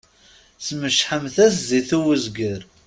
Smecḥemt-as zzit i wezger.